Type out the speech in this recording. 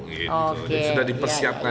jadi sudah dipersiapkan